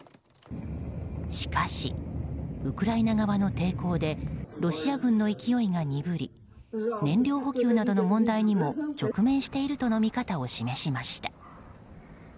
しかし、ウクライナ側の抵抗でロシア軍の勢いが鈍り燃料補給などの問題にも直面しているとの見方を示しました。